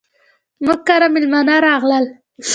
موږ کره ميلمانه راغلل.